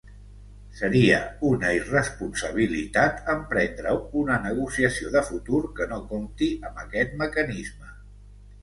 Seria una irresponsabilitat emprendre una negociació de futur que no compti amb aquest mecanisme